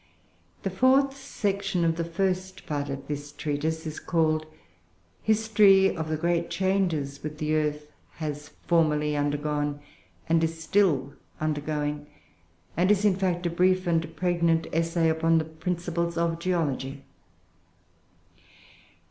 The fourth section of the first part of this Treatise is called "History of the great Changes which the Earth has formerly undergone and is still undergoing," and is, in fact, a brief and pregnant essay upon the principles of geology.